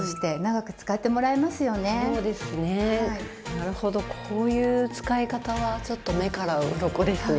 なるほどこういう使い方はちょっと目からうろこですね。